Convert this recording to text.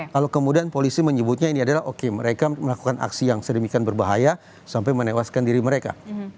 lalu kemudian polisi menyebutnya ini adalah oke mereka melakukan aksi yang sedemikian berbahaya sampai menewaskan diri mereka